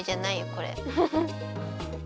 これ。